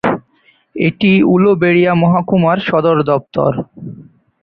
এটি উলুবেড়িয়া মহকুমার সদর দফতর।